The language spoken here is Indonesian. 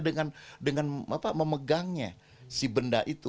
dengan memegangnya si benda itu